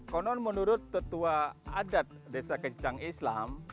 konon menurut tetua adat desa kecicang islam